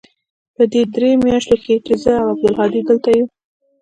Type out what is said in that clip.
په دې درېو مياشتو کښې چې زه او عبدالهادي دلته يو.